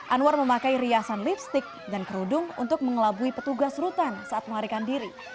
anwar memakai riasan lipstick dan kerudung untuk mengelabui petugas rutan saat melarikan diri